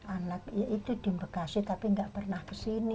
anak ya itu di bekasi tapi nggak pernah kesini